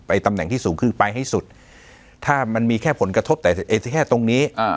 ตำแหน่งที่สูงขึ้นไปให้สุดถ้ามันมีแค่ผลกระทบแต่แค่ตรงนี้